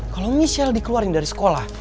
kalau michelle dikeluarin dari sekolah